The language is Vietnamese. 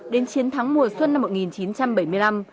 đến chiến thắng mùa xuân năm một nghìn chín trăm bảy mươi năm